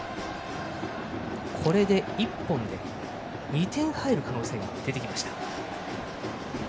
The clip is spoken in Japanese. これで、１本で２点入る可能性が出てきました。